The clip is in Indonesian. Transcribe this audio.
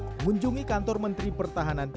mengunjungi kantor menteri pertahanan